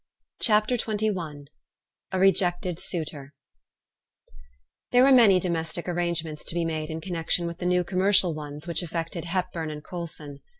CHAPTER XXI A REJECTED SUITOR There were many domestic arrangements to be made in connection with the new commercial ones which affected Hepburn and Coulson.